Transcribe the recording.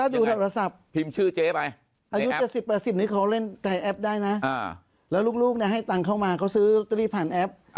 ได้โครตาร์มาก็ใส่แอป